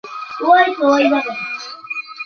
তিনি মুম্বাইয়ের খালসা কলেজে মানবিক বিভাগে পড়েছেন।